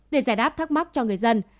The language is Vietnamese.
để giải đáp thắc mắc cho người dân